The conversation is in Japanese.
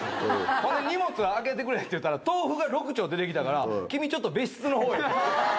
ほんで、荷物を開けてくれっていったら、豆腐が６丁出てきたから、君、ちょっと別室のほうへって。